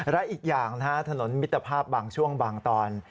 และอีกอย่างนะฮะถนนมิตรภาพบางช่วงบางตอน